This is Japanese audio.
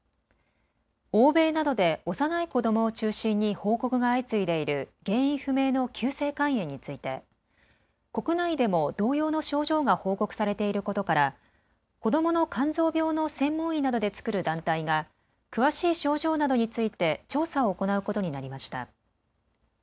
欧米などで幼い子どもを中心に報告が相次いでいる原因不明の急性肝炎について国内でも同様の症状が報告されていることから子どもの肝臓病の専門医などで作る団体が詳しい症状などについて調査を行うことになりました。